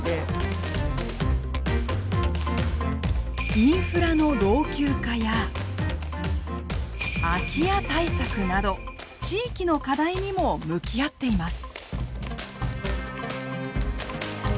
インフラの老朽化や空き家対策など地域の課題にも向き合っています！